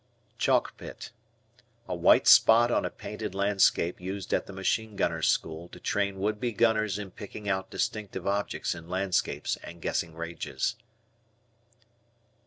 Chalk Pit. A white spot on a painted landscape used at the Machine Gunners' School to train would be gunners in picking out distinctive objects in landscapes and guessing ranges.